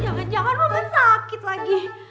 jangan jangan orang sakit lagi